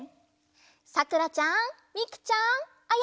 さくらちゃんみくちゃんあやちゃん。